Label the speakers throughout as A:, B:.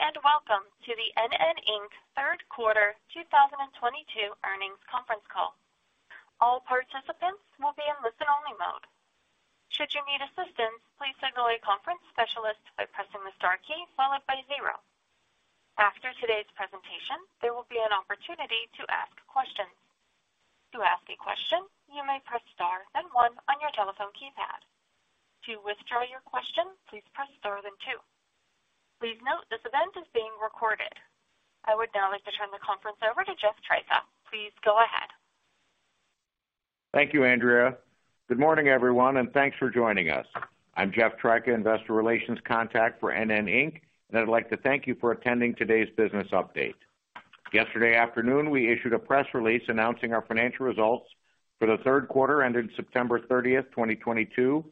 A: Good morning, and welcome to the NN, Inc. third quarter 2022 earnings conference call. All participants will be in listen-only mode. Should you need assistance, please signal a conference specialist by pressing the star key followed by zero. After today's presentation, there will be an opportunity to ask questions. To ask a question, you may press star then one on your telephone keypad. To withdraw your question, please press star then two. Please note this event is being recorded. I would now like to turn the conference over to Jeff Tryka. Please go ahead.
B: Thank you, Andrea. Good morning, everyone, and thanks for joining us. I'm Jeff Tryka, investor relations contact for NN, Inc., and I'd like to thank you for attending today's business update. Yesterday afternoon, we issued a press release announcing our financial results for the third quarter ended September 30, 2022,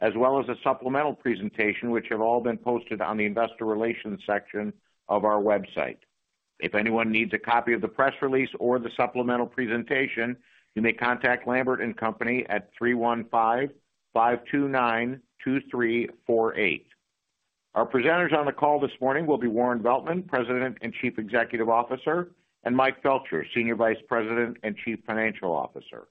B: as well as a supplemental presentation which have all been posted on the investor relations section of our website. If anyone needs a copy of the press release or the supplemental presentation, you may contact Lambert & Co. at 315-529-2348. Our presenters on the call this morning will be Warren Veltman, President and Chief Executive Officer, and Mike Felcher, Senior Vice President and Chief Financial Officer.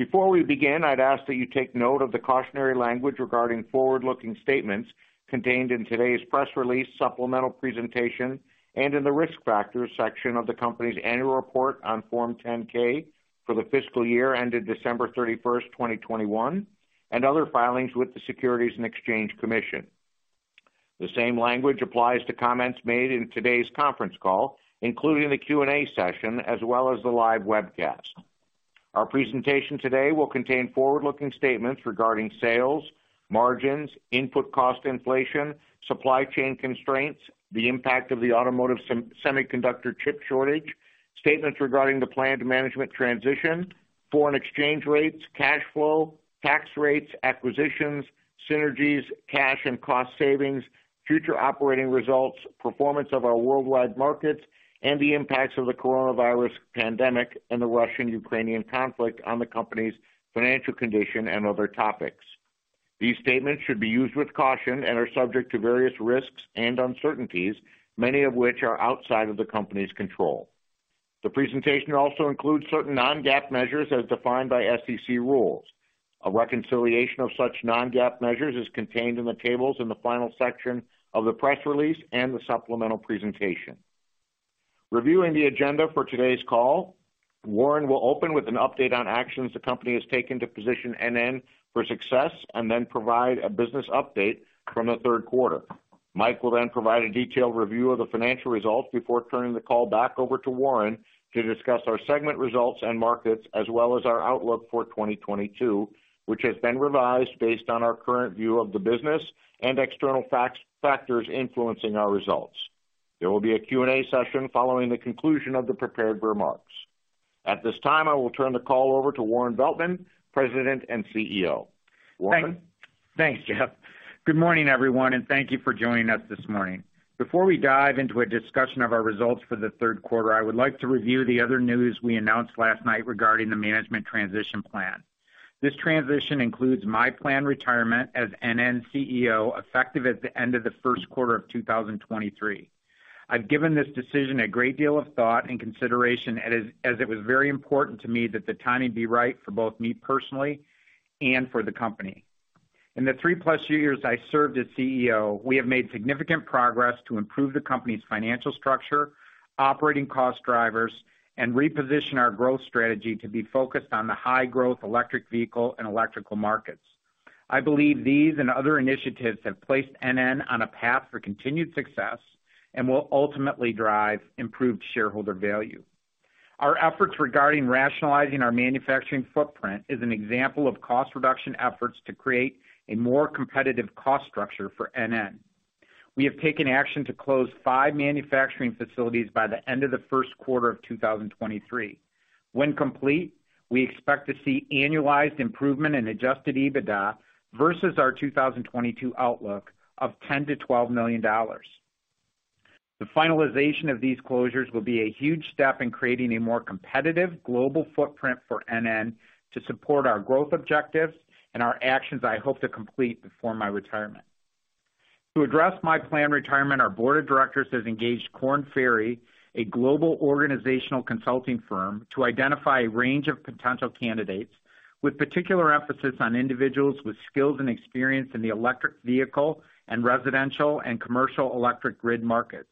B: Before we begin, I'd ask that you take note of the cautionary language regarding forward-looking statements contained in today's press release supplemental presentation and in the Risk Factors section of the company's annual report on Form 10-K for the fiscal year ended December 31, 2021, and other filings with the Securities and Exchange Commission. The same language applies to comments made in today's conference call, including the Q&A session, as well as the live webcast. Our presentation today will contain forward-looking statements regarding sales, margins, input cost inflation, supply chain constraints, the impact of the automotive semiconductor chip shortage, statements regarding the planned management transition, foreign exchange rates, cash flow, tax rates, acquisitions, synergies, cash and cost savings, future operating results, performance of our worldwide markets, and the impacts of the coronavirus pandemic and the Russian-Ukrainian conflict on the company's financial condition and other topics. These statements should be used with caution and are subject to various risks and uncertainties, many of which are outside of the company's control. The presentation also includes certain non-GAAP measures as defined by SEC rules. A reconciliation of such non-GAAP measures is contained in the tables in the final section of the press release and the supplemental presentation. Reviewing the agenda for today's call, Warren will open with an update on actions the company has taken to position NN for success and then provide a business update from the third quarter. Mike will then provide a detailed review of the financial results before turning the call back over to Warren to discuss our segment results and markets, as well as our outlook for 2022, which has been revised based on our current view of the business and external factors influencing our results. There will be a Q&A session following the conclusion of the prepared remarks. At this time, I will turn the call over to Warren Veltman, President and CEO. Warren?
C: Thanks. Thanks, Jeff. Good morning, everyone, and thank you for joining us this morning. Before we dive into a discussion of our results for the third quarter, I would like to review the other news we announced last night regarding the management transition plan. This transition includes my planned retirement as NN CEO, effective at the end of the first quarter of 2023. I've given this decision a great deal of thought and consideration as it was very important to me that the timing be right for both me personally and for the company. In the 3+ years I served as CEO, we have made significant progress to improve the company's financial structure, operating cost drivers, and reposition our growth strategy to be focused on the high growth electric vehicle and electrical markets. I believe these and other initiatives have placed NN on a path for continued success and will ultimately drive improved shareholder value. Our efforts regarding rationalizing our manufacturing footprint is an example of cost reduction efforts to create a more competitive cost structure for NN. We have taken action to close five manufacturing facilities by the end of the first quarter of 2023. When complete, we expect to see annualized improvement in adjusted EBITDA versus our 2022 outlook of $10 million-$12 million. The finalization of these closures will be a huge step in creating a more competitive global footprint for NN to support our growth objectives and our actions I hope to complete before my retirement. To address my planned retirement, our board of directors has engaged Korn Ferry, a global organizational consulting firm, to identify a range of potential candidates, with particular emphasis on individuals with skills and experience in the electric vehicle and residential and commercial electric grid markets.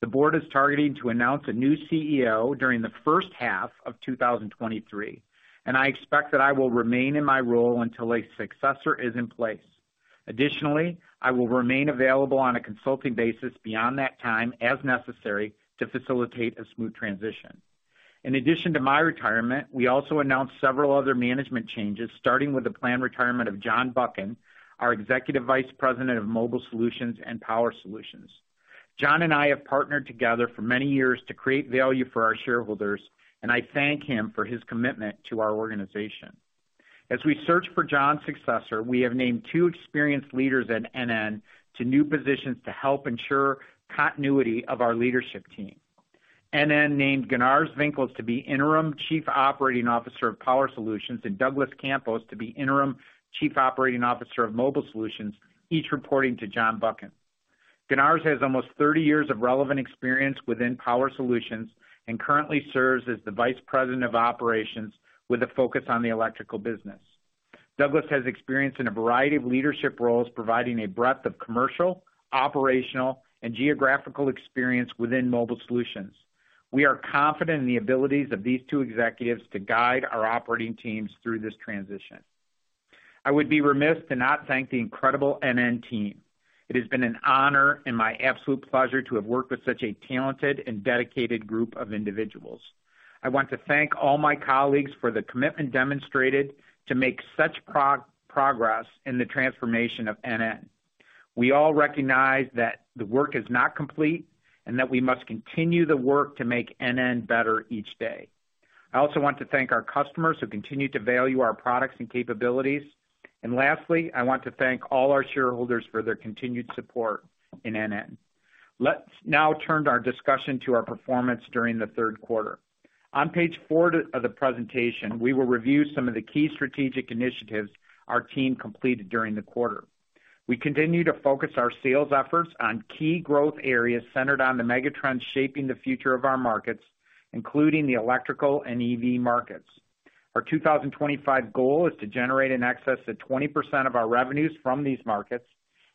C: The board is targeting to announce a new CEO during the first half of 2023, and I expect that I will remain in my role until a successor is in place. Additionally, I will remain available on a consulting basis beyond that time as necessary to facilitate a smooth transition. In addition to my retirement, we also announced several other management changes, starting with the planned retirement of John Buchan, our Executive Vice President of Mobile Solutions and Power Solutions. John and I have partnered together for many years to create value for our shareholders, and I thank him for his commitment to our organization. As we search for John's successor, we have named two experienced leaders at NN to new positions to help ensure continuity of our leadership team. NN named Gunars Vinkels to be Interim Chief Operating Officer of Power Solutions, and Douglas Campos to be Interim Chief Operating Officer of Mobile Solutions, each reporting to John Buchan. Gunars has almost 30 years of relevant experience within Power Solutions, and currently serves as the Vice President of Operations with a focus on the electrical business. Douglas has experience in a variety of leadership roles, providing a breadth of commercial, operational, and geographical experience within Mobile Solutions. We are confident in the abilities of these two executives to guide our operating teams through this transition. I would be remiss to not thank the incredible NN team. It has been an honor and my absolute pleasure to have worked with such a talented and dedicated group of individuals. I want to thank all my colleagues for the commitment demonstrated to make such progress in the transformation of NN. We all recognize that the work is not complete, and that we must continue the work to make NN better each day. I also want to thank our customers who continue to value our products and capabilities. Lastly, I want to thank all our shareholders for their continued support in NN. Let's now turn our discussion to our performance during the third quarter. On page four of the presentation, we will review some of the key strategic initiatives our team completed during the quarter. We continue to focus our sales efforts on key growth areas centered on the mega trends shaping the future of our markets, including the electrical and EV markets. Our 2025 goal is to generate an excess of 20% of our revenues from these markets.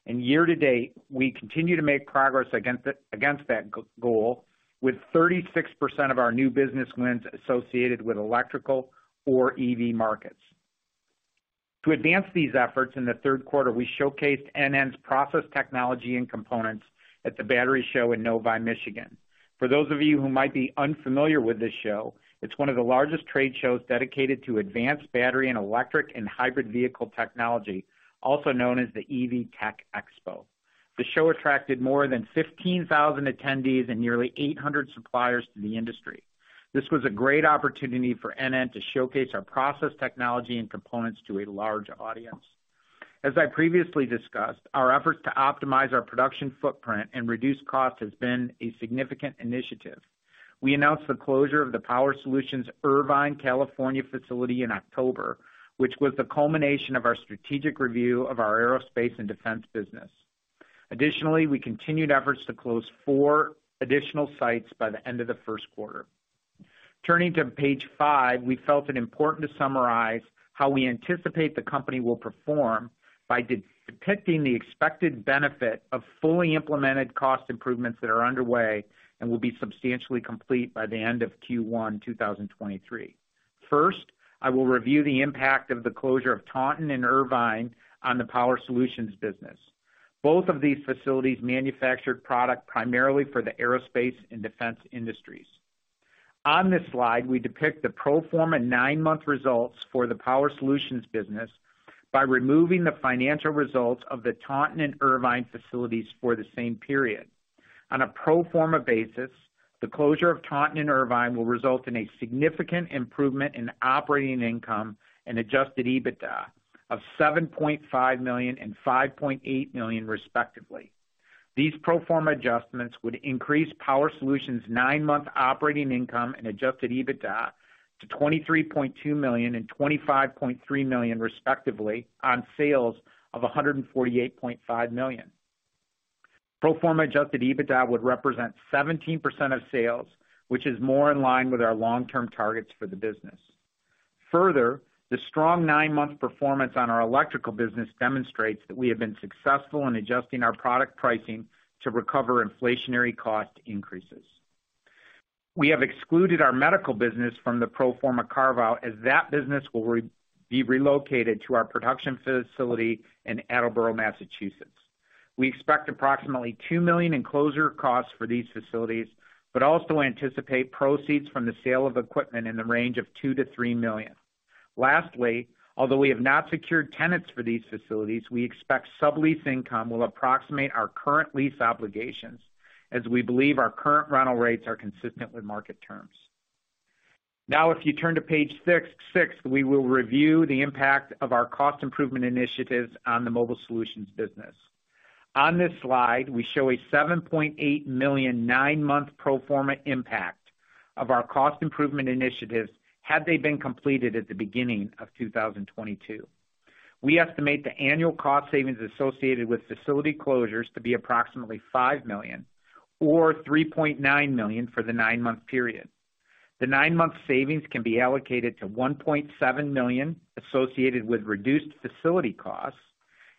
C: Year to date, we continue to make progress against that goal, with 36% of our new business wins associated with electrical or EV markets. To advance these efforts, in the third quarter, we showcased NN's process technology and components at the Battery Show in Novi, Michigan. For those of you who might be unfamiliar with this show, it's one of the largest trade shows dedicated to advanced battery and electric and hybrid vehicle technology, also known as the EV Tech Expo. The show attracted more than 15,000 attendees and nearly 800 suppliers to the industry. This was a great opportunity for NN to showcase our process technology and components to a large audience. As I previously discussed, our efforts to optimize our production footprint and reduce cost has been a significant initiative. We announced the closure of the Power Solutions Irvine, California facility in October, which was the culmination of our strategic review of our aerospace and defense business. Additionally, we continued efforts to close four additional sites by the end of the first quarter. Turning to page 5, we felt it important to summarize how we anticipate the company will perform by depicting the expected benefit of fully implemented cost improvements that are underway and will be substantially complete by the end of Q1 2023. First, I will review the impact of the closure of Taunton and Irvine on the Power Solutions business. Both of these facilities manufactured product primarily for the aerospace and defense industries. On this slide, we depict the pro-forma nine-month results for the Power Solutions business by removing the financial results of the Taunton and Irvine facilities for the same period. On a pro forma basis, the closure of Taunton and Irvine will result in a significant improvement in operating income and adjusted EBITDA of $7.5 million and $5.8 million, respectively. These pro forma adjustments would increase Power Solutions' nine month operating income and adjusted EBITDA to $23.2 million and $25.3 million, respectively, on sales of $148.5 million. Pro forma adjusted EBITDA would represent 17% of sales, which is more in line with our long-term targets for the business. Further, the strong nine-month performance on our electrical business demonstrates that we have been successful in adjusting our product pricing to recover inflationary cost increases. We have excluded our medical business from the pro forma carve-out, as that business will be relocated to our production facility in Attleboro, Massachusetts. We expect approximately $2 million in closure costs for these facilities, but also anticipate proceeds from the sale of equipment in the range of $2 million-$3 million. Lastly, although we have not secured tenants for these facilities, we expect sublease income will approximate our current lease obligations, as we believe our current rental rates are consistent with market terms. Now, if you turn to page six, we will review the impact of our cost improvement initiatives on the Mobile Solutions business. On this slide, we show a $7.8 million nine-month pro forma impact of our cost improvement initiatives had they been completed at the beginning of 2022. We estimate the annual cost savings associated with facility closures to be approximately $5 million or $3.9 million for the nine-month period. The nine-month savings can be allocated to $1.7 million associated with reduced facility costs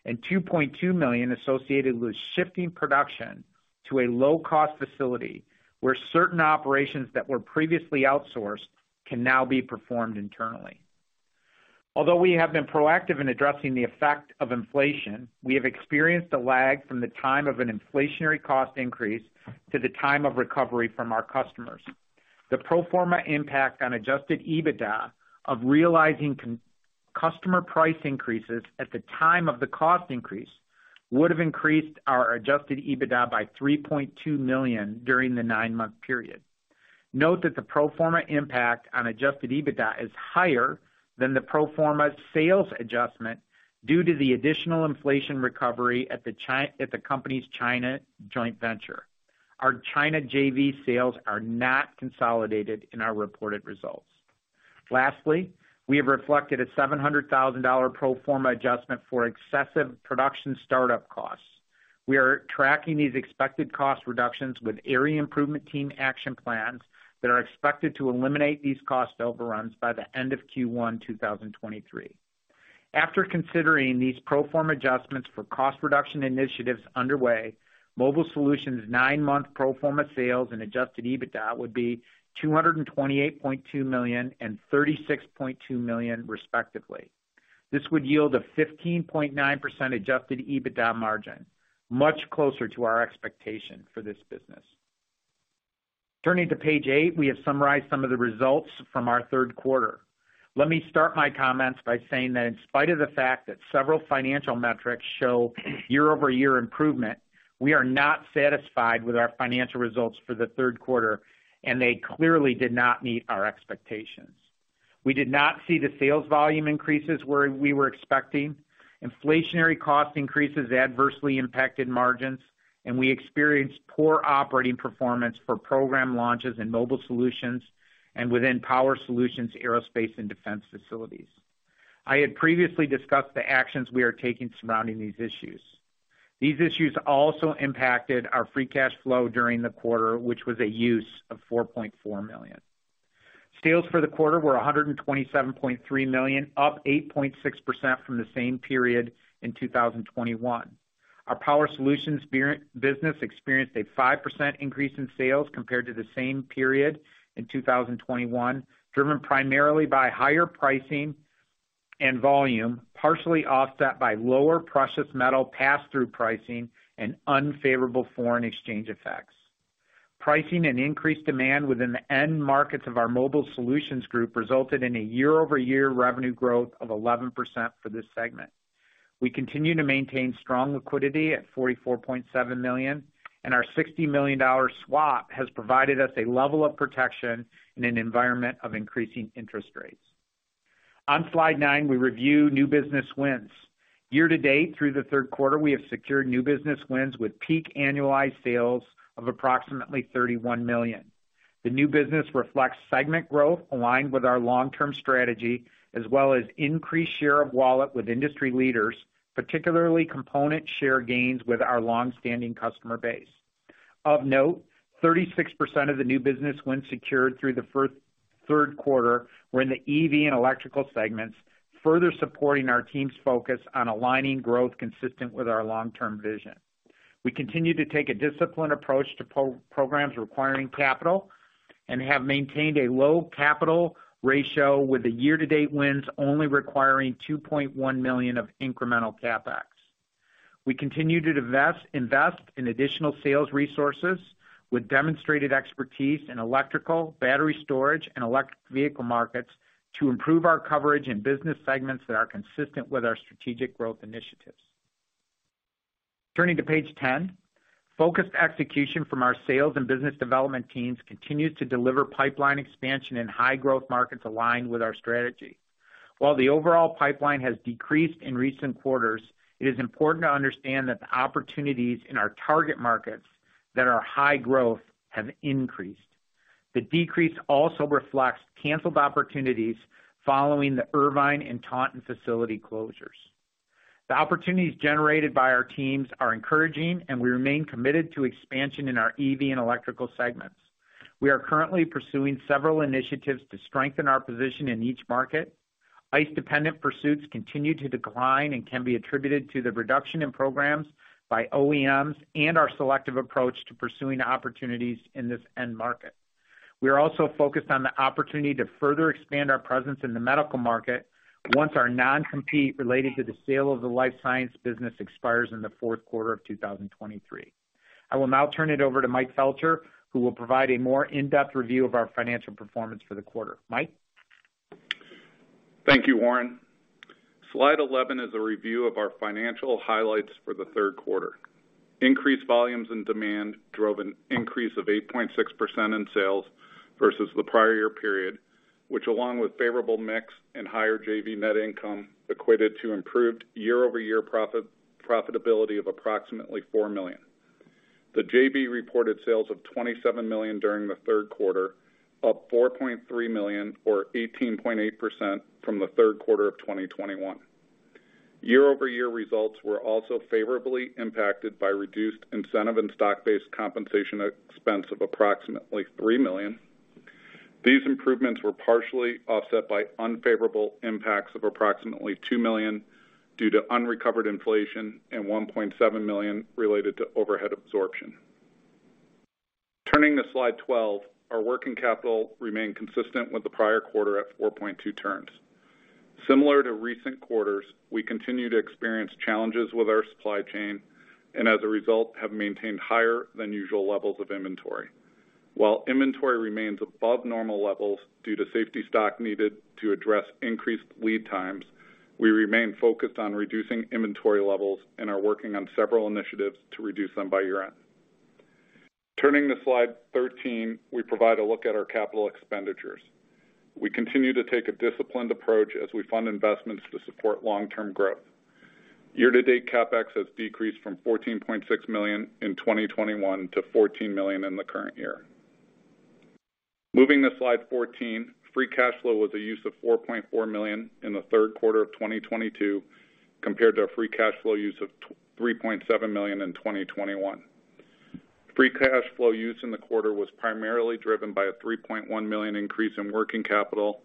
C: and $2.2 million associated with shifting production to a low-cost facility, where certain operations that were previously outsourced can now be performed internally. Although we have been proactive in addressing the effect of inflation, we have experienced a lag from the time of an inflationary cost increase to the time of recovery from our customers. The pro forma impact on adjusted EBITDA of realizing customer price increases at the time of the cost increase would have increased our adjusted EBITDA by $3.2 million during the nine month period. Note that the pro forma impact on adjusted EBITDA is higher than the pro forma sales adjustment due to the additional inflation recovery at the company's China joint venture. Our China JV sales are not consolidated in our reported results. Lastly, we have reflected a $700,000 pro forma adjustment for excessive production startup costs. We are tracking these expected cost reductions with area improvement team action plans that are expected to eliminate these cost overruns by the end of Q1 2023. After considering these pro forma adjustments for cost reduction initiatives underway, Mobile Solutions nine-month pro forma sales and adjusted EBITDA would be $228.2 million and $36.2 million, respectively. This would yield a 15.9% adjusted EBITDA margin, much closer to our expectation for this business. Turning to page eight, we have summarized some of the results from our third quarter. Let me start my comments by saying that in spite of the fact that several financial metrics show year-over-year improvement, we are not satisfied with our financial results for the third quarter, and they clearly did not meet our expectations. We did not see the sales volume increases where we were expecting. Inflationary cost increases adversely impacted margins, and we experienced poor operating performance for program launches in Mobile Solutions and within Power Solutions aerospace and defense facilities. I had previously discussed the actions we are taking surrounding these issues. These issues also impacted our free cash flow during the quarter, which was a use of $4.4 million. Sales for the quarter were $127.3 million, up 8.6% from the same period in 2021. Our Power Solutions business experienced a 5% increase in sales compared to the same period in 2021, driven primarily by higher pricing and volume, partially offset by lower precious metal pass-through pricing and unfavorable foreign exchange effects. Pricing and increased demand within the end markets of our Mobile Solutions group resulted in a year-over-year revenue growth of 11% for this segment. We continue to maintain strong liquidity at $44.7 million, and our $60 million dollar swap has provided us a level of protection in an environment of increasing interest rates. On slide nine, we review new business wins. Year-to-date through the third quarter, we have secured new business wins with peak annualized sales of approximately $31 million. The new business reflects segment growth aligned with our long-term strategy, as well as increased share of wallet with industry leaders, particularly component share gains with our long-standing customer base. Of note, 36% of the new business wins secured through the third quarter were in the EV and electrical segments, further supporting our team's focus on aligning growth consistent with our long-term vision. We continue to take a disciplined approach to programs requiring capital, and have maintained a low capital ratio with the year-to-date wins only requiring $2.1 million of incremental CapEx. We continue to invest in additional sales resources with demonstrated expertise in electrical, battery storage, and electric vehicle markets to improve our coverage in business segments that are consistent with our strategic growth initiatives. Turning to page 10. Focused execution from our sales and business development teams continues to deliver pipeline expansion in high growth markets aligned with our strategy. While the overall pipeline has decreased in recent quarters, it is important to understand that the opportunities in our target markets that are high growth have increased. The decrease also reflects canceled opportunities following the Irvine and Taunton facility closures. The opportunities generated by our teams are encouraging, and we remain committed to expansion in our EV and electrical segments. We are currently pursuing several initiatives to strengthen our position in each market. ICE-dependent pursuits continue to decline and can be attributed to the reduction in programs by OEMs and our selective approach to pursuing opportunities in this end market. We are also focused on the opportunity to further expand our presence in the medical market once our non-compete related to the sale of the life science business expires in the fourth quarter of 2023. I will now turn it over to Mike Felcher, who will provide a more in-depth review of our financial performance for the quarter. Mike?
D: Thank you, Warren. Slide 11 is a review of our financial highlights for the third quarter. Increased volumes and demand drove an increase of 8.6% in sales versus the prior year period, which, along with favorable mix and higher JV net income, equated to improved year-over-year profitability of approximately $4 million. The JV reported sales of $27 million during the third quarter, up $4.3 million or 18.8% from the third quarter of 2021. Year-over-year results were also favorably impacted by reduced incentive and stock-based compensation expense of approximately $3 million. These improvements were partially offset by unfavorable impacts of approximately $2 million due to unrecovered inflation and $1.7 million related to overhead absorption. Turning to slide 12, our working capital remained consistent with the prior quarter at 4.2 turns. Similar to recent quarters, we continue to experience challenges with our supply chain and, as a result, have maintained higher than usual levels of inventory. While inventory remains above normal levels due to safety stock needed to address increased lead times, we remain focused on reducing inventory levels and are working on several initiatives to reduce them by year-end. Turning to slide 13, we provide a look at our capital expenditures. We continue to take a disciplined approach as we fund investments to support long-term growth. Year-to-date CapEx has decreased from $14.6 million in 2021 to $14 million in the current year. Moving to slide 14. Free cash flow with the use of $4.4 million in the third quarter of 2022 compared to a free cash flow use of $3.7 Million in 2021. Free cash flow use in the quarter was primarily driven by a $3.1 million increase in working capital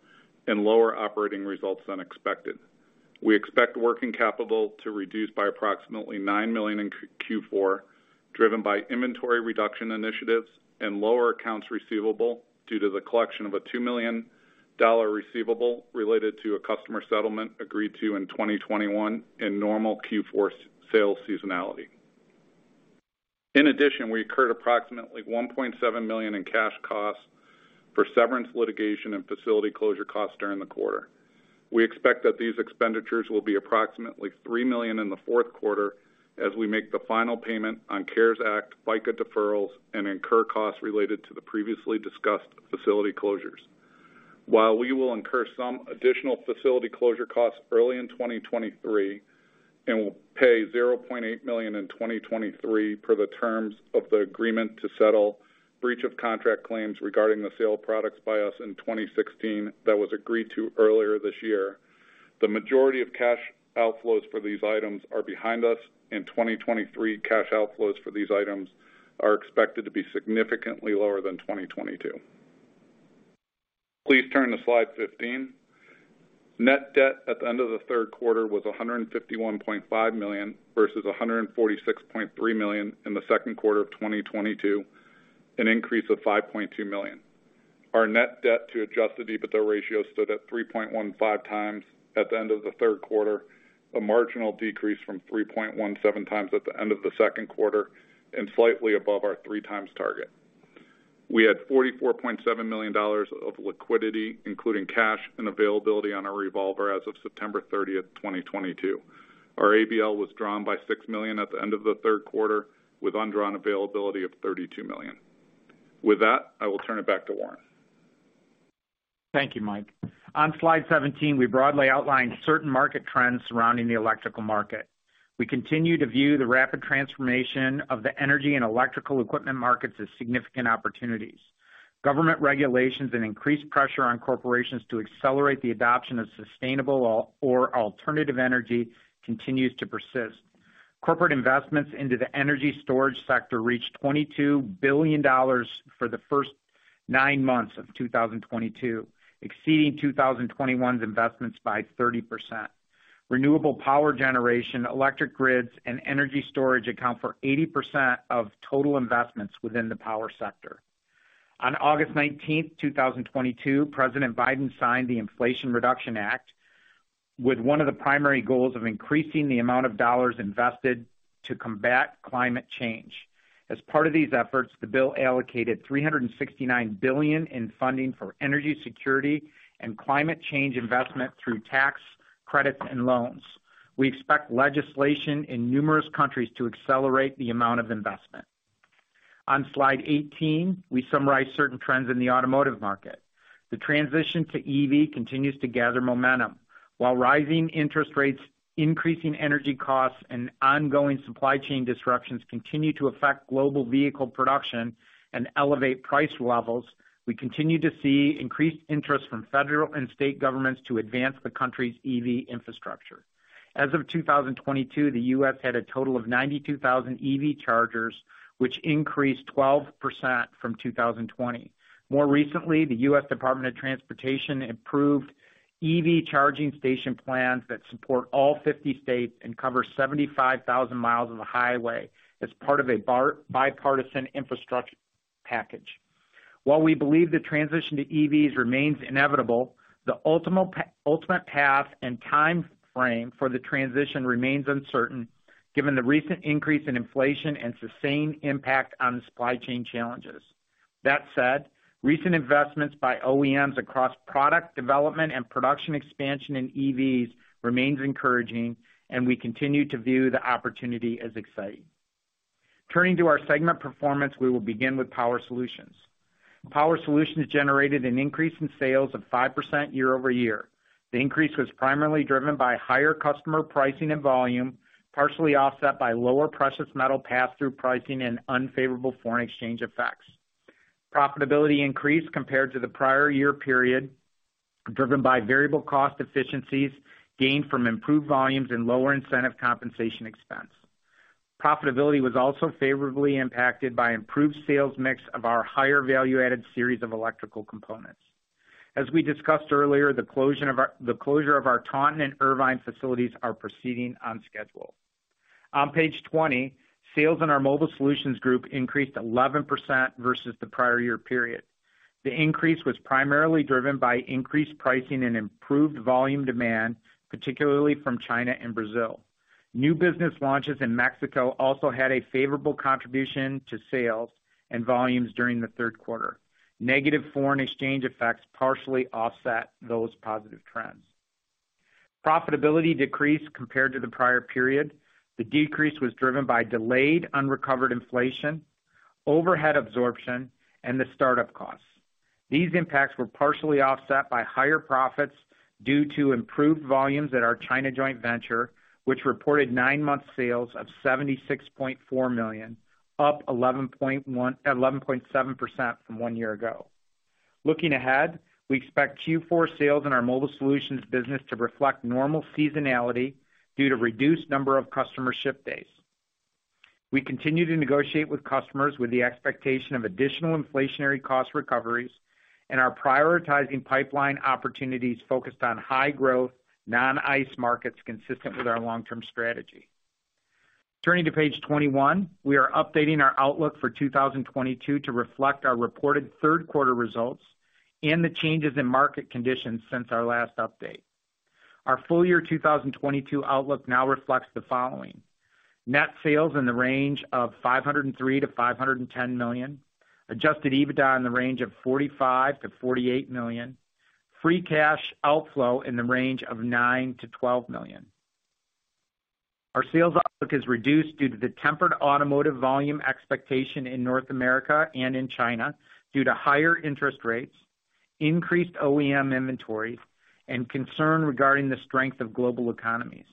D: and lower operating results than expected. We expect working capital to reduce by approximately $9 million in Q4, driven by inventory reduction initiatives and lower accounts receivable due to the collection of a $2 million receivable related to a customer settlement agreed to in 2021 in normal Q4 sales seasonality. In addition, we incurred approximately $1.7 million in cash costs for severance litigation and facility closure costs during the quarter. We expect that these expenditures will be approximately $3 million in the fourth quarter as we make the final payment on CARES Act, FICA deferrals, and incur costs related to the previously discussed facility closures. While we will incur some additional facility closure costs early in 2023, and we'll pay $0.8 million in 2023 per the terms of the agreement to settle breach of contract claims regarding the sale of products by us in 2016 that was agreed to earlier this year. The majority of cash outflows for these items are behind us. In 2023, cash outflows for these items are expected to be significantly lower than 2022. Please turn to slide 15. Net debt at the end of the third quarter was $151.5 million versus $146.3 million in the second quarter of 2022, an increase of $5.2 million. Our net debt to adjusted EBITDA ratio stood at 3.15x at the end of the third quarter, a marginal decrease from 3.17x at the end of the second quarter and slightly above our 3x target. We had $44.7 million of liquidity, including cash and availability on our revolver as of September 30, 2022. Our ABL was drawn by $6 million at the end of the third quarter, with undrawn availability of $32 million. With that, I will turn it back to Warren.
C: Thank you, Mike. On slide 17, we broadly outlined certain market trends surrounding the electrical market. We continue to view the rapid transformation of the energy and electrical equipment markets as significant opportunities. Government regulations and increased pressure on corporations to accelerate the adoption of sustainable or alternative energy continues to persist. Corporate investments into the energy storage sector reached $22 billion for the first nine months of 2022, exceeding 2021's investments by 30%. Renewable power generation, electric grids, and energy storage account for 80% of total investments within the power sector. On August 19, 2022, President Biden signed the Inflation Reduction Act with one of the primary goals of increasing the amount of dollars invested to combat climate change. As part of these efforts, the bill allocated $369 billion in funding for energy security and climate change investment through tax credits and loans. We expect legislation in numerous countries to accelerate the amount of investment. On slide 18, we summarize certain trends in the automotive market. The transition to EV continues to gather momentum. While rising interest rates, increasing energy costs, and ongoing supply chain disruptions continue to affect global vehicle production and elevate price levels, we continue to see increased interest from federal and state governments to advance the country's EV infrastructure. As of 2022, the U.S. had a total of 92,000 EV chargers, which increased 12% from 2020. More recently, the U.S. Department of Transportation improved EV charging station plans that support all 50 states and cover 75,000 miles of the highway as part of a bipartisan infrastructure package. While we believe the transition to EVs remains inevitable, the ultimate path and timeframe for the transition remains uncertain given the recent increase in inflation and sustained impact on the supply chain challenges. That said, recent investments by OEMs across product development and production expansion in EVs remains encouraging, and we continue to view the opportunity as exciting. Turning to our segment performance, we will begin with Power Solutions. Power Solutions generated an increase in sales of 5% year-over-year. The increase was primarily driven by higher customer pricing and volume, partially offset by lower precious metal pass-through pricing and unfavorable foreign exchange effects. Profitability increased compared to the prior year period, driven by variable cost efficiencies gained from improved volumes and lower incentive compensation expense. Profitability was also favorably impacted by improved sales mix of our higher value-added series of electrical components. As we discussed earlier, the closure of our Taunton and Irvine facilities are proceeding on schedule. On page 20, sales in our Mobile Solutions group increased 11% versus the prior year period. The increase was primarily driven by increased pricing and improved volume demand, particularly from China and Brazil. New business launches in Mexico also had a favorable contribution to sales and volumes during the third quarter. Negative foreign exchange effects partially offset those positive trends. Profitability decreased compared to the prior period. The decrease was driven by delayed unrecovered inflation, overhead absorption and the startup costs. These impacts were partially offset by higher profits due to improved volumes at our China joint venture, which reported nine-month sales of $76.4 million, up 11.7% from one year ago. Looking ahead, we expect Q4 sales in our Mobile Solutions business to reflect normal seasonality due to reduced number of customer ship dates. We continue to negotiate with customers with the expectation of additional inflationary cost recoveries, and are prioritizing pipeline opportunities focused on high growth non-ICE markets consistent with our long-term strategy. Turning to page 21. We are updating our outlook for 2022 to reflect our reported third quarter results and the changes in market conditions since our last update. Our full year 2022 outlook now reflects the following: net sales in the range of $503 million-$510 million, adjusted EBITDA in the range of $45 million-$48 million, free cash outflow in the range of $9 million-$12 million. Our sales outlook is reduced due to the tempered automotive volume expectation in North America and in China due to higher interest rates, increased OEM inventory, and concern regarding the strength of global economies.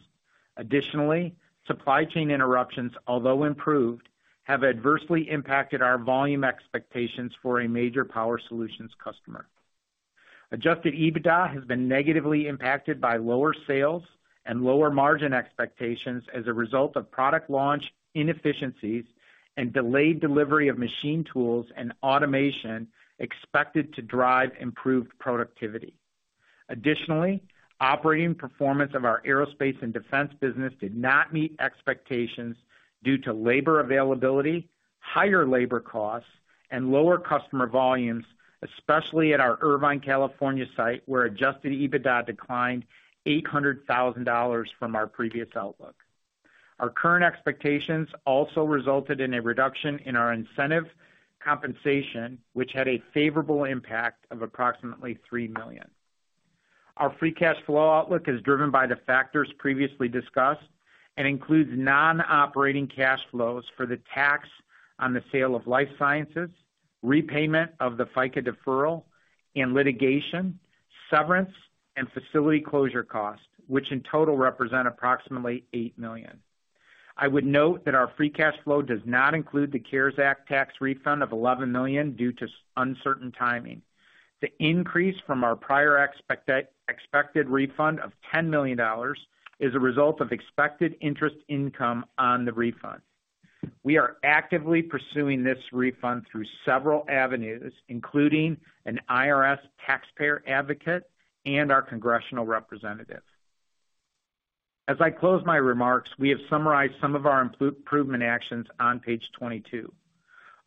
C: Additionally, supply chain interruptions, although improved, have adversely impacted our volume expectations for a major Power Solutions customer. Adjusted EBITDA has been negatively impacted by lower sales and lower margin expectations as a result of product launch inefficiencies and delayed delivery of machine tools and automation expected to drive improved productivity. Additionally, operating performance of our aerospace and defense business did not meet expectations due to labor availability, higher labor costs, and lower customer volumes, especially at our Irvine, California site, where adjusted EBITDA declined $800,000 from our previous outlook. Our current expectations also resulted in a reduction in our incentive compensation, which had a favorable impact of approximately $3 million. Our free cash flow outlook is driven by the factors previously discussed and includes non-operating cash flows for the tax on the sale of Life Sciences, repayment of the FICA deferral and litigation, severance, and facility closure costs, which in total represent approximately $8 million. I would note that our free cash flow does not include the CARES Act tax refund of $11 million due to uncertain timing. The increase from our prior expected refund of $10 million is a result of expected interest income on the refund. We are actively pursuing this refund through several avenues, including an IRS taxpayer advocate and our congressional representative. As I close my remarks, we have summarized some of our improvement actions on page 22.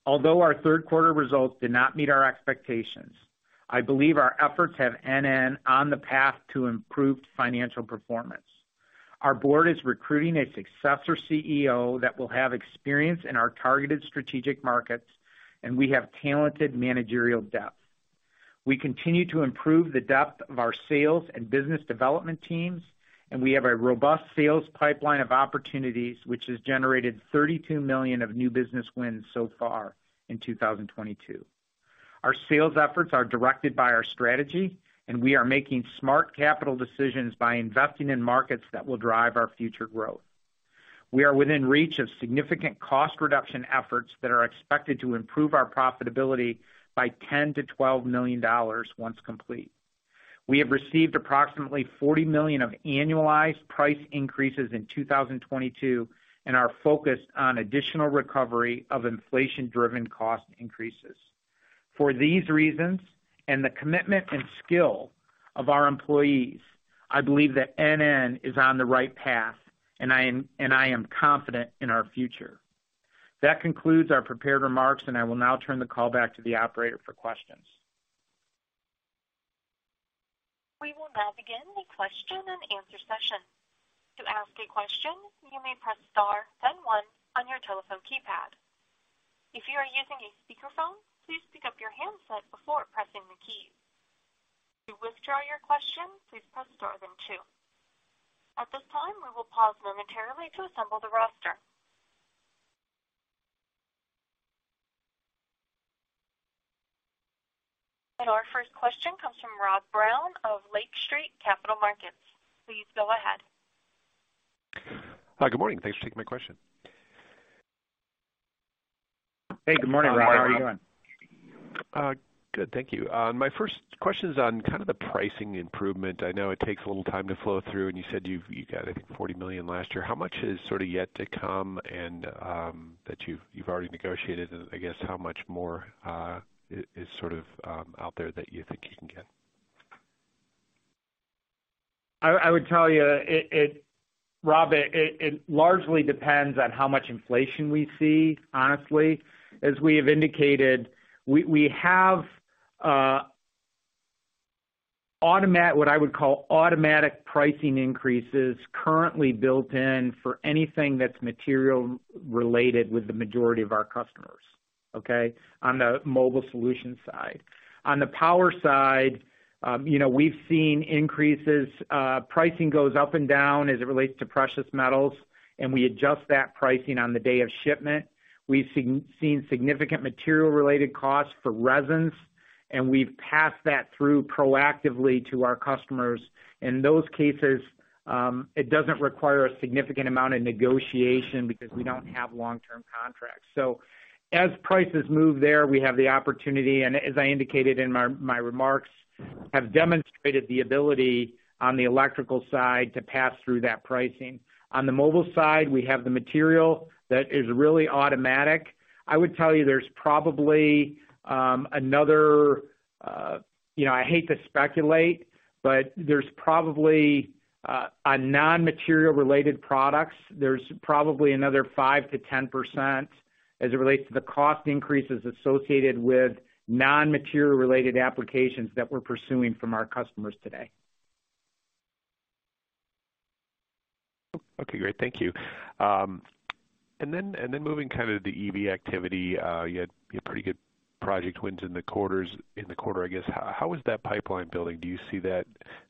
C: Although our third quarter results did not meet our expectations, I believe our efforts have NN on the path to improved financial performance. Our board is recruiting a successor CEO that will have experience in our targeted strategic markets, and we have talented managerial depth. We continue to improve the depth of our sales and business development teams, and we have a robust sales pipeline of opportunities, which has generated $32 million of new business wins so far in 2022. Our sales efforts are directed by our strategy, and we are making smart capital decisions by investing in markets that will drive our future growth. We are within reach of significant cost reduction efforts that are expected to improve our profitability by $10 million-$12 million once complete. We have received approximately $40 million of annualized price increases in 2022 and are focused on additional recovery of inflation-driven cost increases. For these reasons and the commitment and skill of our employees, I believe that NN is on the right path, and I am confident in our future. That concludes our prepared remarks, and I will now turn the call back to the operator for questions.
A: We will now begin the question and answer session. To ask a question, you may press Star, then one on your telephone keypad. If you are using a speakerphone, please pick up your handset before pressing the key. To withdraw your question, please press Star, then two. At this time, we will pause momentarily to assemble the roster. Our first question comes from Rob Brown of Lake Street Capital Markets. Please go ahead.
E: Hi. Good morning. Thanks for taking my question.
C: Hey, good morning, Rob. How are you doing?
E: Good, thank you. My first question is on kind of the pricing improvement. I know it takes a little time to flow through, and you said you've got, I think, $40 million last year. How much is sort of yet to come and that you've already negotiated and I guess how much more is sort of out there that you think you can get?
C: I would tell you, Rob, it largely depends on how much inflation we see, honestly. As we have indicated, we have what I would call automatic pricing increases currently built in for anything that's material related with the majority of our customers, okay, on the Mobile Solutions side. On the Power Solutions side, you know, we've seen increases. Pricing goes up and down as it relates to precious metals, and we adjust that pricing on the day of shipment. We've seen significant material related costs for resins, and we've passed that through proactively to our customers. In those cases, it doesn't require a significant amount of negotiation because we don't have long-term contracts. As prices move there, we have the opportunity, and as I indicated in my remarks, have demonstrated the ability on the electrical side to pass through that pricing. On the mobile side, we have the material that is really automatic. I would tell you there's probably another, you know, I hate to speculate, but there's probably a non-material related products. There's probably another 5%-10% as it relates to the cost increases associated with non-material related applications that we're pursuing from our customers today.
E: Okay, great. Thank you. Moving kind of the EV activity, you had pretty good project wins in the quarter, I guess. How is that pipeline building? Do you see that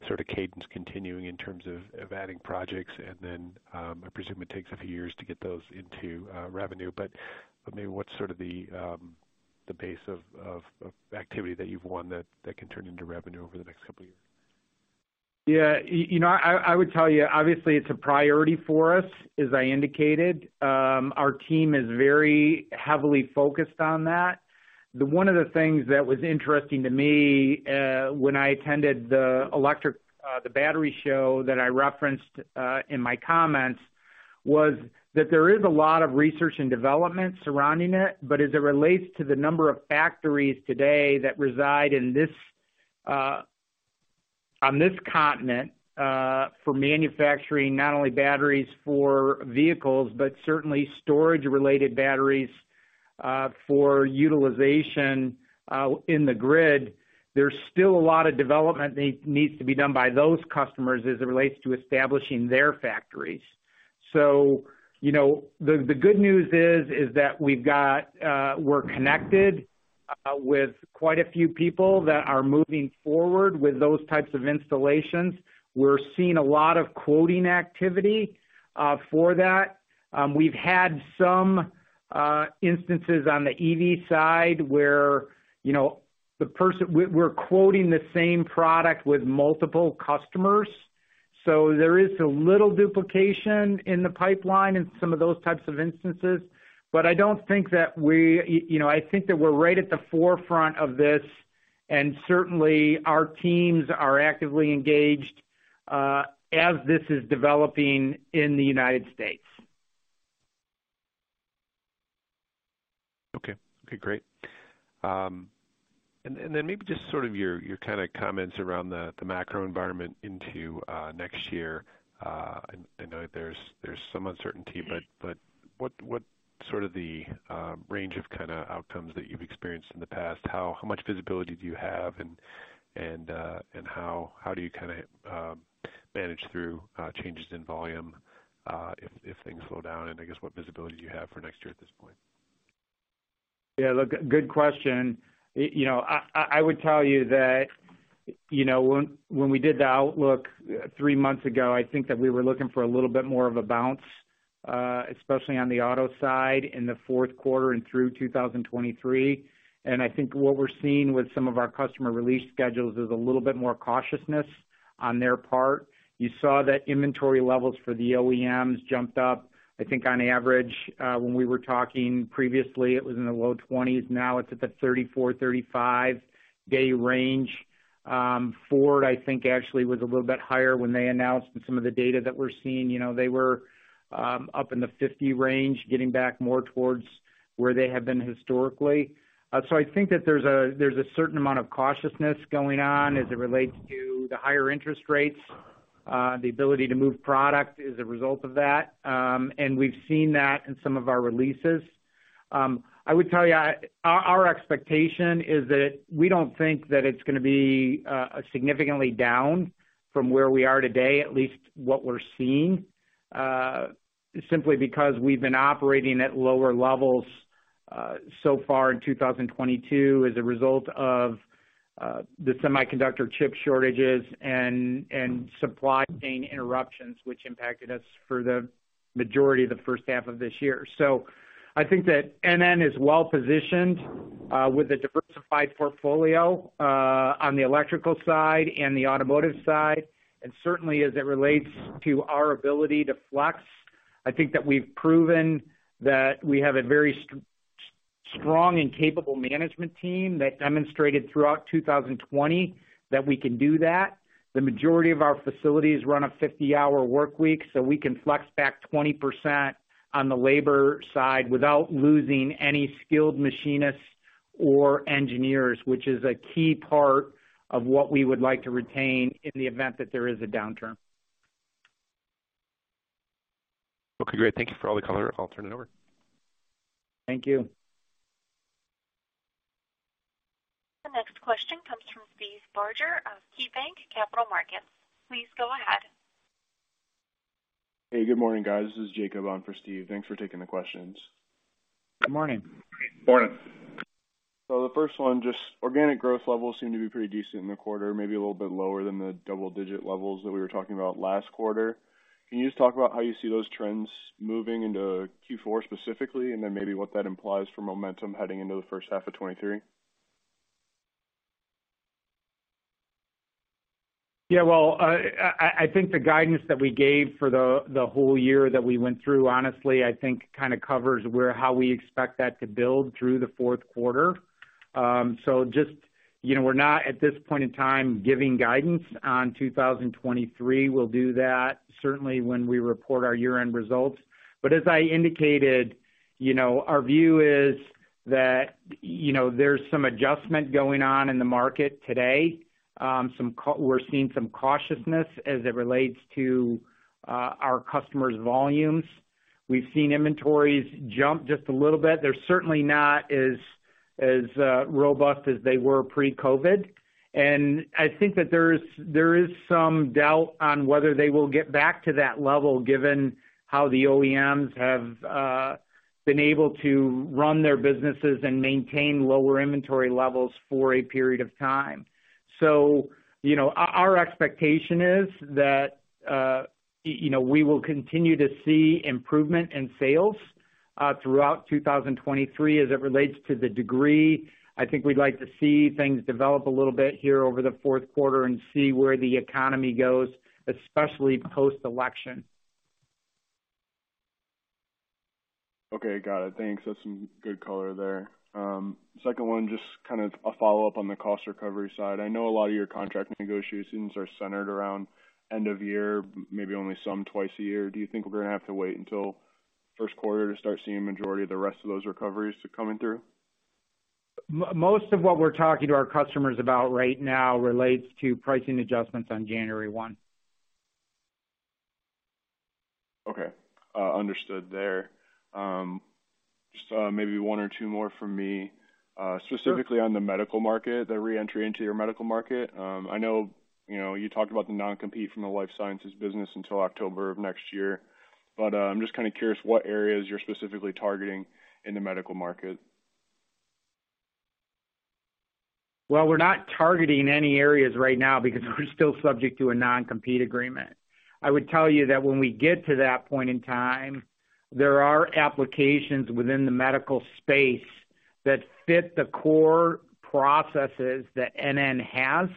E: sort of cadence continuing in terms of adding projects? I presume it takes a few years to get those into revenue, but maybe what's sort of the pace of activity that you've won that can turn into revenue over the next couple of years?
C: Yeah. You know, I would tell you, obviously it's a priority for us, as I indicated. Our team is very heavily focused on that. One of the things that was interesting to me, when I attended the electric, the Battery Show that I referenced in my comments, was that there is a lot of research and development surrounding it. As it relates to the number of factories today that reside in this, on this continent, for manufacturing not only batteries for vehicles, but certainly storage related batteries, for utilization in the grid, there's still a lot of development needs to be done by those customers as it relates to establishing their factories. You know, the good news is that we're connected with quite a few people that are moving forward with those types of installations. We're seeing a lot of quoting activity for that. We've had some instances on the EV side where, you know, we're quoting the same product with multiple customers, so there is a little duplication in the pipeline in some of those types of instances. I don't think, you know, I think that we're right at the forefront of this, and certainly our teams are actively engaged as this is developing in the United States.
E: Okay, great. Maybe just sort of your kind of comments around the macro environment into next year. I know there's some uncertainty, but what sort of the range of kinda outcomes that you've experienced in the past? How much visibility do you have, and how do you kinda manage through changes in volume, if things slow down? I guess what visibility do you have for next year at this point?
C: Yeah, look, good question. You know, I would tell you that, you know, when we did the outlook three months ago, I think that we were looking for a little bit more of a bounce, especially on the auto side in the fourth quarter and through 2023. I think what we're seeing with some of our customer release schedules is a little bit more cautiousness on their part. You saw that inventory levels for the OEMs jumped up. I think on average, when we were talking previously, it was in the low 20s, now it's at the 34, 35 day range. Ford, I think, actually was a little bit higher when they announced some of the data that we're seeing. You know, they were up in the 50 range, getting back more towards where they have been historically. I think that there's a certain amount of cautiousness going on as it relates to the higher interest rates. The ability to move product is a result of that. We've seen that in some of our releases. I would tell you, our expectation is that we don't think that it's gonna be significantly down from where we are today, at least what we're seeing, simply because we've been operating at lower levels so far in 2022 as a result of the semiconductor chip shortages and supply chain interruptions, which impacted us for the majority of the first half of this year. I think that NN is well positioned with a diversified portfolio on the electrical side and the automotive side. Certainly as it relates to our ability to flex, I think that we've proven that we have a very strong and capable management team that demonstrated throughout 2020 that we can do that. The majority of our facilities run a 50-hour workweek, so we can flex back 20% on the labor side without losing any skilled machinists or engineers, which is a key part of what we would like to retain in the event that there is a downturn.
E: Okay, great. Thank you for all the color. I'll turn it over.
C: Thank you.
A: The next question comes from Steve Barger of KeyBanc Capital Markets. Please go ahead.
F: Hey, good morning, guys. This is Jacob on for Steve. Thanks for taking the questions.
C: Good morning.
F: Morning. The first one, just organic growth levels seem to be pretty decent in the quarter, maybe a little bit lower than the double-digit levels that we were talking about last quarter. Can you just talk about how you see those trends moving into Q4 specifically, and then maybe what that implies for momentum heading into the first half of 2023?
C: Yeah, well, I think the guidance that we gave for the whole year that we went through, honestly, I think kinda covers how we expect that to build through the fourth quarter. Just, you know, we're not at this point in time giving guidance on 2023. We'll do that certainly when we report our year-end results. As I indicated, you know, our view is that you know, there's some adjustment going on in the market today. We're seeing some cautiousness as it relates to our customers' volumes. We've seen inventories jump just a little bit. They're certainly not as robust as they were pre-COVID. I think that there is some doubt on whether they will get back to that level given how the OEMs have been able to run their businesses and maintain lower inventory levels for a period of time. You know, our expectation is that you know, we will continue to see improvement in sales throughout 2023. As it relates to the degree, I think we'd like to see things develop a little bit here over the fourth quarter and see where the economy goes, especially post-election.
F: Okay. Got it. Thanks. That's some good color there. Second one, just kind of a follow-up on the cost recovery side. I know a lot of your contract negotiations are centered around end of year, maybe only some twice a year. Do you think we're gonna have to wait until first quarter to start seeing majority of the rest of those recoveries to coming through?
C: Most of what we're talking to our customers about right now relates to pricing adjustments on January one.
F: Okay. Understood there. Just, maybe one or two more from me.
C: Sure.
F: Specifically on the medical market, the re-entry into your medical market. I know, you know, you talked about the non-compete from the Life sciences business until October of next year, but, I'm just kinda curious what areas you're specifically targeting in the medical market.
C: Well, we're not targeting any areas right now because we're still subject to a non-compete agreement. I would tell you that when we get to that point in time, there are applications within the medical space that fit the core processes that NN has.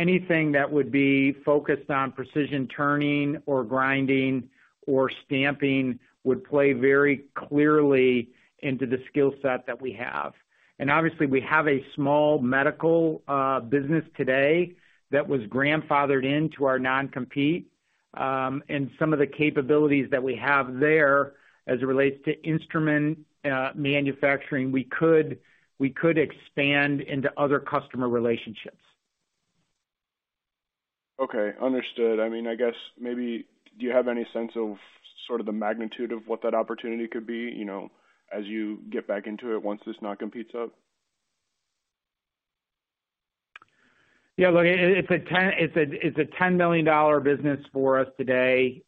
C: Anything that would be focused on precision turning or grinding or stamping would play very clearly into the skill set that we have. Obviously, we have a small medical business today that was grandfathered into our non-compete. Some of the capabilities that we have there as it relates to instrument manufacturing, we could expand into other customer relationships.
F: Okay. Understood. I mean, I guess maybe do you have any sense of sort of the magnitude of what that opportunity could be, you know, as you get back into it once this non-compete's up?
C: Yeah. Look, it's a $10 million business for us today.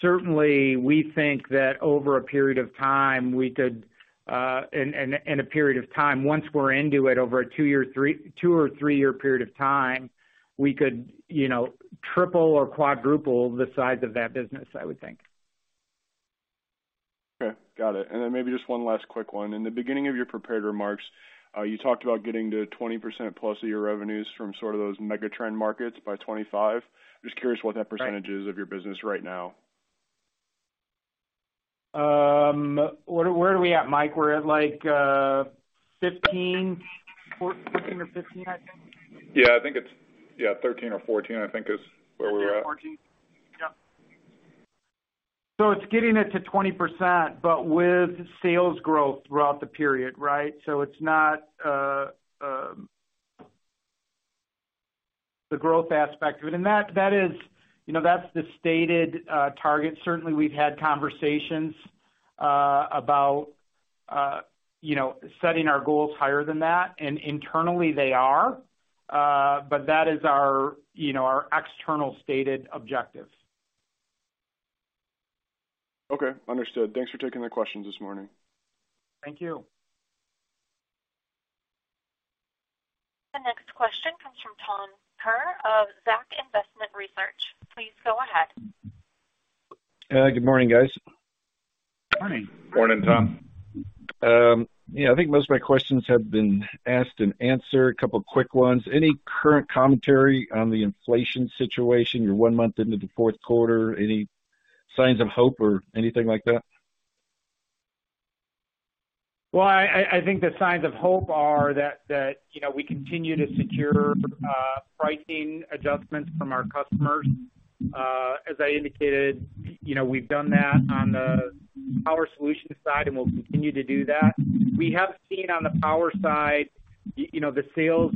C: Certainly, we think that over a period of time, we could, once we're into it over a two- or three-year period of time, we could, you know, triple or quadruple the size of that business, I would think.
F: Okay. Got it. Maybe just one last quick one. In the beginning of your prepared remarks, you talked about getting to 20%+ of your revenues from sort of those megatrend markets by 2025. Just curious what that percentage
C: Right.
F: is of your business right now.
C: Where are we at, Mike? We're at like 15 or 15, I think.
D: I think it's 13 or 14, I think, is where we're at.
C: 14? Yeah. It's getting it to 20%, but with sales growth throughout the period, right? It's not the growth aspect of it. That is, you know, that's the stated target. Certainly, we've had conversations about, you know, setting our goals higher than that, and internally they are, but that is our, you know, our external stated objective.
F: Okay. Understood. Thanks for taking the questions this morning.
C: Thank you.
A: The next question comes from Thomas Kerr of Zacks Investment Research. Please go ahead.
G: Good morning, guys.
C: Morning. Morning, Tom.
G: Yeah, I think most of my questions have been asked and answered. A couple quick ones. Any current commentary on the inflation situation? You're one month into the fourth quarter. Any signs of hope or anything like that?
C: Well, I think the signs of hope are that, you know, we continue to secure pricing adjustments from our customers. As I indicated, you know, we've done that on the Power Solutions side, and we'll continue to do that. We have seen on the Power side, you know, the sales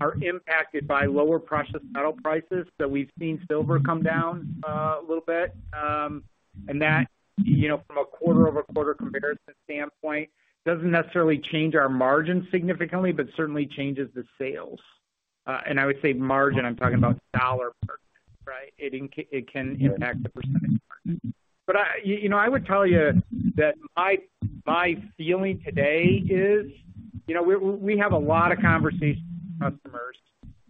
C: are impacted by lower precious metal prices. So we've seen silver come down a little bit. That, you know, from a quarter-over-quarter comparison standpoint, doesn't necessarily change our margin significantly, but certainly changes the sales. I would say margin, I'm talking about dollar margin. It can impact the percentage. I, you know, I would tell you that my feeling today is, you know, we have a lot of conversations with customers.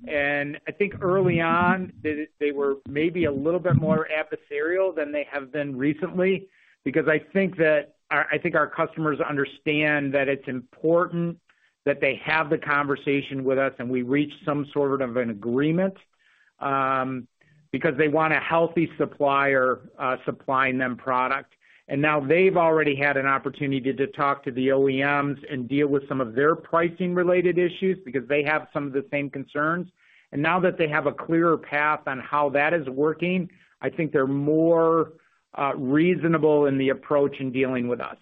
C: I think early on, they were maybe a little bit more adversarial than they have been recently, because I think that our customers understand that it's important that they have the conversation with us and we reach some sort of an agreement, because they want a healthy supplier supplying them product. Now they've already had an opportunity to talk to the OEMs and deal with some of their pricing related issues because they have some of the same concerns. Now that they have a clearer path on how that is working, I think they're more reasonable in the approach in dealing with us.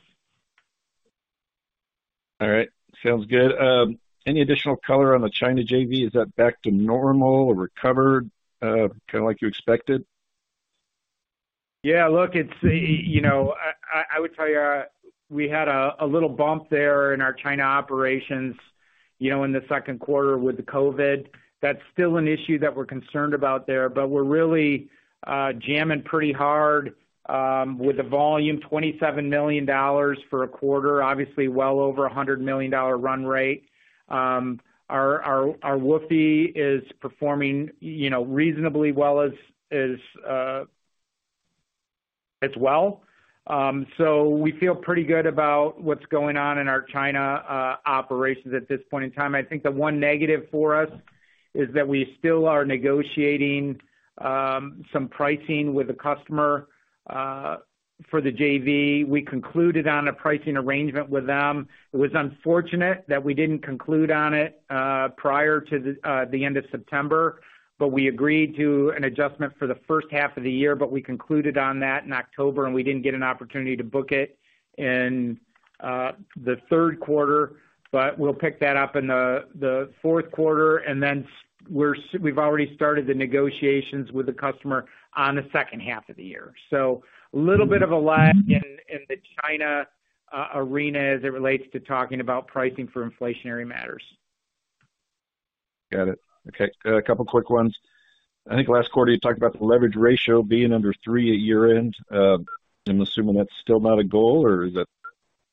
G: All right. Sounds good. Any additional color on the China JV? Is that back to normal or recovered, kinda like you expected?
C: Yeah, look, it's you know I would tell you we had a little bump there in our China operations you know in the second quarter with the COVID. That's still an issue that we're concerned about there. We're really jamming pretty hard with the volume $27 million for a quarter. Obviously well over $100 million run rate. Our WFOE is performing you know reasonably well as well. We feel pretty good about what's going on in our China operations at this point in time. I think the one negative for us is that we still are negotiating some pricing with a customer for the JV. We concluded on a pricing arrangement with them. It was unfortunate that we didn't conclude on it prior to the end of September, but we agreed to an adjustment for the first half of the year, but we concluded on that in October, and we didn't get an opportunity to book it in the third quarter. We'll pick that up in the fourth quarter, and then we've already started the negotiations with the customer on the second half of the year. A little bit of a lag in the China arena as it relates to talking about pricing for inflationary matters.
G: Got it. Okay. A couple quick ones. I think last quarter you talked about the leverage ratio being under three at year-end. I'm assuming that's still not a goal or is it?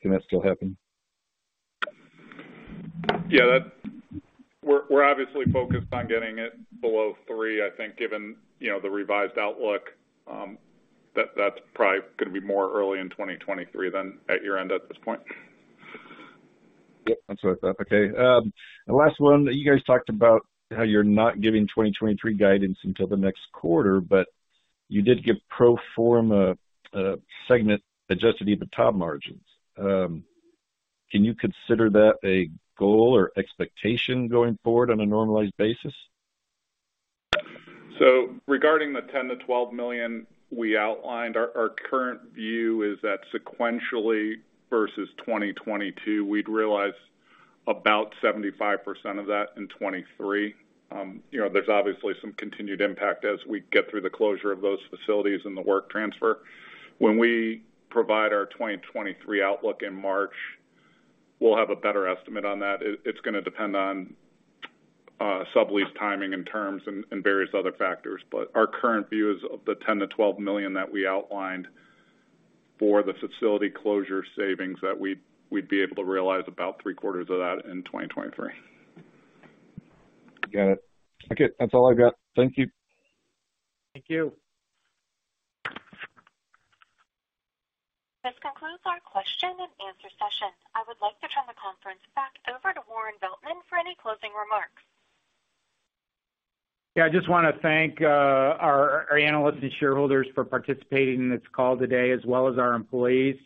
G: Can that still happen?
D: We're obviously focused on getting it below three. I think given you know the revised outlook that's probably gonna be more early in 2023 than at year-end at this point.
G: Yep, that's what I thought. Okay. The last one, you guys talked about how you're not giving 2023 guidance until the next quarter, but you did give pro forma, segment adjusted EBITDA margins. Can you consider that a goal or expectation going forward on a normalized basis?
D: Regarding the $10 million-$12 million we outlined, our current view is that sequentially versus 2022, we'd realize about 75% of that in 2023. You know, there's obviously some continued impact as we get through the closure of those facilities and the work transfer. When we provide our 2023 outlook in March, we'll have a better estimate on that. It's gonna depend on sublease timing and terms and various other factors. Our current view is of the $10 million-$12 million that we outlined for the facility closure savings that we'd be able to realize about three quarters of that in 2023.
G: Got it. Okay. That's all I've got. Thank you.
C: Thank you.
A: This concludes our question and answer session. I would like to turn the conference back over to Warren Veltman for any closing remarks.
C: Yeah, I just wanna thank our analysts and shareholders for participating in this call today as well as our employees.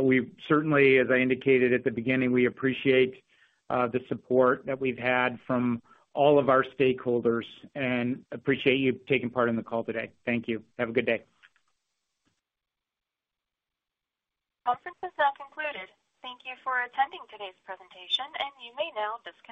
C: We've certainly, as I indicated at the beginning, we appreciate the support that we've had from all of our stakeholders and appreciate you taking part in the call today. Thank you. Have a good day.
A: Conference is now concluded. Thank you for attending today's presentation, and you may now disconnect.